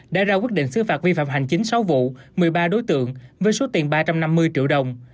đã ra quyết định xứ phạt vi phạm hành chính sáu vụ một mươi ba đối tượng với số tiền ba trăm năm mươi triệu đồng